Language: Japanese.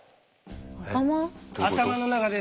頭？